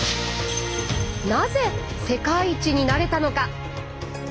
なぜ世界一になれたのか？